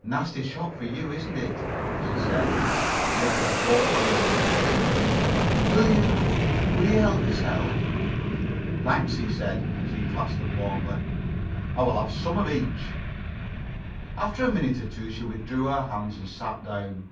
"Nasty shock for you, isn't it?" she said. She held out both hands to him. "Will you ... will you help yourself?" "Thanks," he said, as he clasped them warmly. "I will have some of each." After a minute or two she withdrew her hands and sat down.